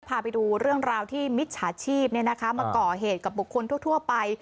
พาไปดูเรื่องราวที่มิจฉาชีพมาก่อเหตุกับบุคคลทั่วไป